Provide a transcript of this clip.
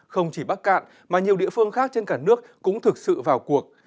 không chỉ bắc cạn mà nhiều địa phương khác trên cả nước cũng thực sự vào cuộc